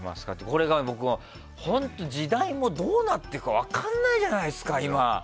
これが僕、本当に時代もどうなっていくか分かんないじゃないですか、今。